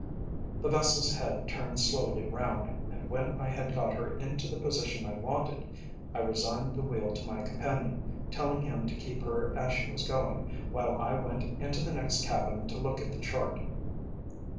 The vessel's head turned slowly round, and when I had got her into the position I wanted, I resigned the wheel to my companion, telling him to keep her as she was going, while I went into the next cabin to look at the chart.